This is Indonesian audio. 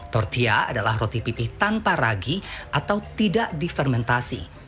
tortilla adalah roti pipih tanpa ragi atau tidak difermentasi